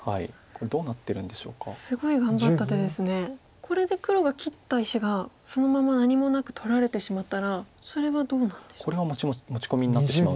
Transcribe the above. これで黒が切った石がそのまま何もなく取られてしまったらそれはどうなんでしょう。